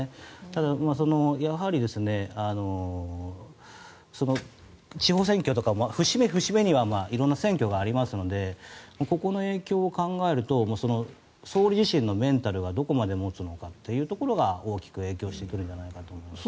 ただやはり、地方選挙とか節目節目には色々な選挙がありますのでここの影響を考えると総理自身のメンタルがどこまで持つのかというところが大きく影響してくるんじゃないかと思います。